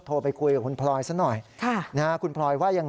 ก็คือซื้อแพงกว่าที่อื่น